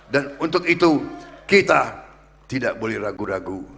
dan untuk itu kita tidak boleh ragu ragu